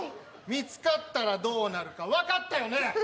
見つかったらどうなるか、分かったよね。